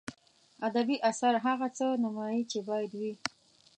ادبي اثر هغه څه نمایي چې باید وي.